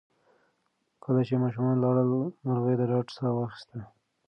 کله چې ماشومان لاړل، مرغۍ د ډاډ ساه واخیسته.